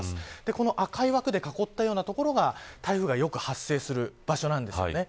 この赤い枠で囲ったような所が台風がよく発生する場所なんですよね。